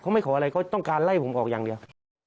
เขาไม่ขออะไรเขาต้องการไล่ผมออกอย่างเดียว